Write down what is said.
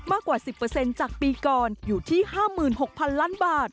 มากกว่า๑๐จากปีก่อนอยู่ที่๕๖๐๐๐ล้านบาท